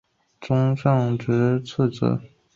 村上直次郎是日本历史学家。